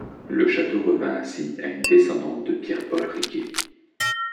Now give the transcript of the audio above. Le château revient ainsi à une descendante de Pierre-Paul Riquet.